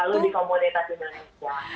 selalu di komunitas indonesia